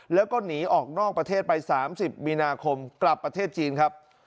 แล้วก็หนีออกนอกประเทศไป๓๐มีนาคมกลับประเทศจีนครับ